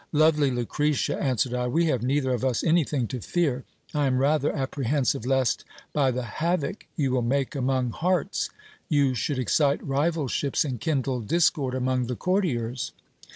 Lovely Lucretia, answered I, we have neither of us anything to fear ; I am rather apprehensive lest, by the havoc you will make among hearts, you should excite rivalships and kindle discord among the courtiers.